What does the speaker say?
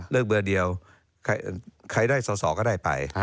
เบอร์เดียวใครได้สอสอก็ได้ไป